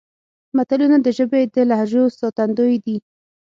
متلونه د ژبې د لهجو ساتندوی دي